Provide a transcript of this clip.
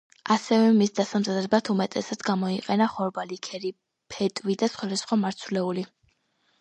ასევე მის დასამზადებლად უმეტესად გამოიყენება ხორბალი, ქერი, ფეტვი და სხვადასხვა მარცვლეული.